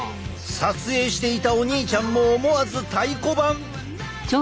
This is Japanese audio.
撮影していたお兄ちゃんも思わず太鼓判！